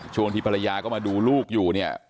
ช่วงที่ภรรยาก็มาดูลูกอยู่เนี่ย